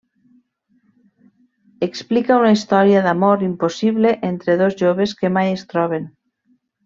Explica una història d'amor impossible entre dos joves que mai es troben.